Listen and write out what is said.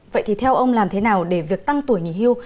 vậy thì theo ông làm thế nào để việc tăng tuổi nghỉ hưu